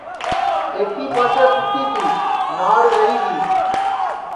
ایکی پاسے سُتی تی ناݪ رہی گی